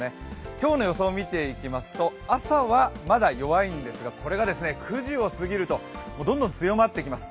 今日の予想を見ていきますと、朝はまだ弱いんですがこれが９時を過ぎるとどんどん強まってきます。